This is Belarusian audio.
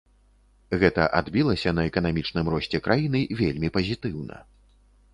Гэта адбілася на эканамічным росце краіны вельмі пазітыўна.